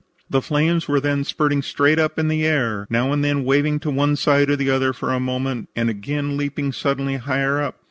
The flames were then spurting straight up in the air, now and then waving to one side or the other for a moment and again leaping suddenly higher up.